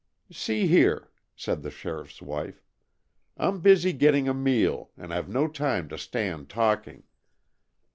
"See here!" said the sheriff's wife. "I'm busy getting a meal, and I've no time to stand talking.